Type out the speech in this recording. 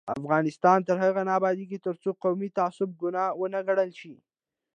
افغانستان تر هغو نه ابادیږي، ترڅو قومي تعصب ګناه ونه ګڼل شي.